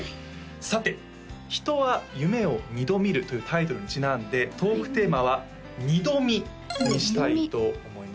さて「人は夢を二度見る」というタイトルにちなんでトークテーマは「二度見」にしたいと思います